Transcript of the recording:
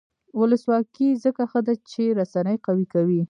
ولسواکي ځکه ښه ده چې رسنۍ قوي کوي.